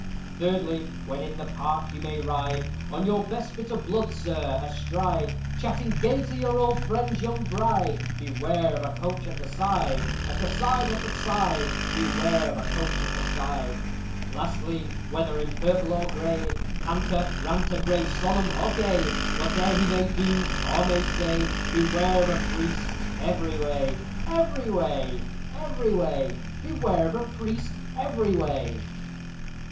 Thirdly, when in the park you may ride, On your best bit of blood, sir, astride, Chatting gay to your old friend's young bride: Beware of a coach at the side! At the side! at the side! Beware of a coach at the side! Lastly, whether in purple or gray, Canter, ranter, grave, solemn, or gay, Whate'er he may do or may say, Beware of a priest every way! Every way! every way! Beware of a priest every way!